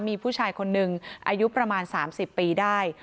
มีผู้ชายคนหนึ่งอายุประมาณ๓๐ปีได้